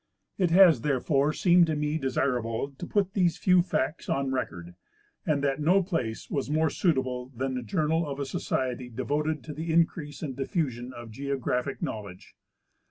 It has therefore seemed to me desirable to put these few facts on record, and that no place was more suitable than the journal of a society devoted to the increase and diffusion of geographic knowledge.